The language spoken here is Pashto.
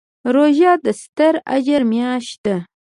روژه د ستر اجر میاشت ده.